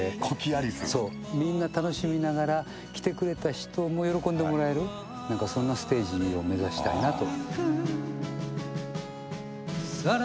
そう、みんな楽しみながら、来てくれた人も喜んでもらえる、なんかそんなステージを目指したいなと。